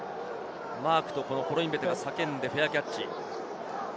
マークとコロインベテが叫んでフェアキャッチ。